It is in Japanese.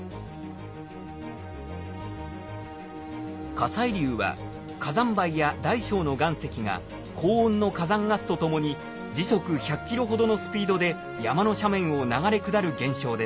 火砕流は火山灰や大小の岩石が高温の火山ガスとともに時速１００ｋｍほどのスピードで山の斜面を流れ下る現象です。